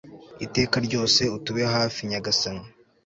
iteka ryose utube hafi, nyagasani